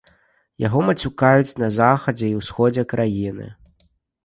Яго мацюкаюць на захадзе і ўсходзе краіны.